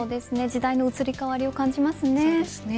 時代の移り変わりを感じますね。